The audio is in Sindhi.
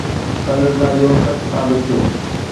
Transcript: سندس ڳالهيون سچ ثابت ٿيون.